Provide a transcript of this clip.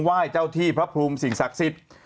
ไหว้เจ้าที่พระพรมสิ่งศักดิ์สิทธิ์